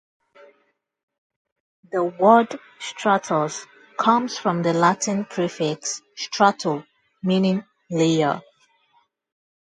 The word "stratus" comes from the Latin prefix "strato-", meaning "layer".